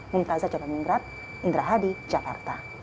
minta sajalah menggerak indra hadi jakarta